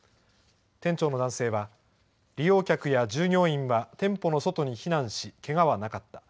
店長の男性は、利用客や従業員は店舗の外に避難し、けがはなかった。